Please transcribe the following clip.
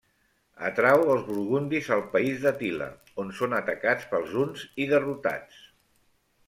Atrau els burgundis al país d'Àtila, on són atacats pels huns i derrotats.